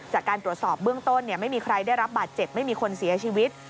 จากการตรวจสอบเบื้องต้นไม่มีใครได้รับบาดเจ็บไม่มีคนเสียชีวิต